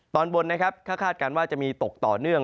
ตอนบนนะครับก็คาดการณ์ว่าจะมีตกต่อเนื่อง